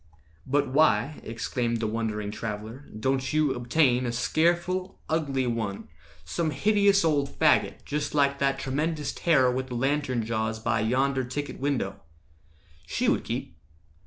"But why," exclaimed the wondering traveller, "Don't you obtain a scareful, ugly one— Some hideous old faggot, just like that Tremendous terror with the lantern jaws By yonder ticket window? She would keep."